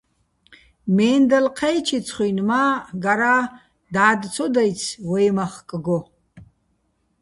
მე́ნდალ ჴაჲჩო̆ იცხუჲნი, მა́, გარა́, და́დ ცო დაჲცი̆ ვაჲ მახკგო.